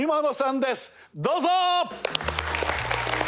どうぞ！